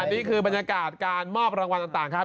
นี่คือบรรยากาศการมอบรางวัลต่างครับ